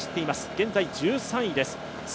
現在１３位です。